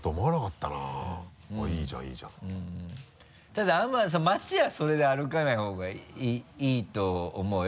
ただ町はそれで歩かない方がいいと思うよ。